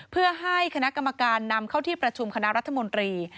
เพื่อให้คณะกรรมการนำเข้าที่ประชุมคณะรัฐมนตรี